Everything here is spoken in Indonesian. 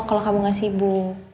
kalo kamu gak sibuk